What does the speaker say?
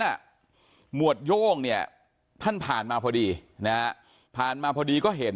หมวดโย่งเนี่ยท่านผ่านมาพอดีนะฮะผ่านมาพอดีก็เห็น